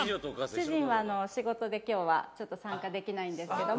主人は仕事で、きょうは参加できないんですけれども。